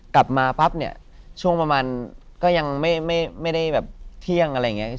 กลับมาปั๊บเนี่ยช่วงประมาณก็ยังไม่ได้แบบเที่ยงอะไรอย่างนี้